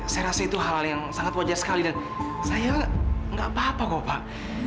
saya rasa itu hal hal yang sangat wajar sekali dan saya nggak apa apa kok pak